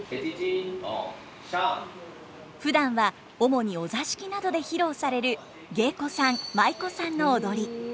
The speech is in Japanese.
ふだんは主にお座敷などで披露される芸妓さん舞妓さんの踊り。